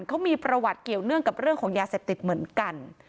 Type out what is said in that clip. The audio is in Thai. เขามีประวัติเกี่ยวเนื่องกับเรื่องของยาเสพติดเหมือนกัน